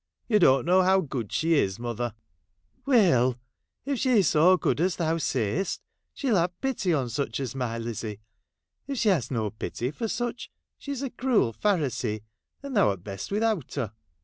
You don't know how good she is, mother !'' Will, Will ! if she 's so good as thou say'st, she '11 have pity on such as my Lizzie. If she has no pity for such, she 's a cruel Pharisee, and thou 'rt best without her.'